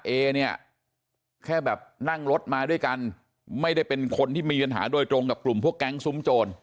เอเนี่ยแค่แบบนั่งรถมาด้วยกันไม่ได้เป็นคนที่มีปัญหาโดยตรงกับกลุ่มพวกแก๊งซุ้มโจร